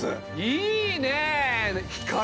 いいねえ！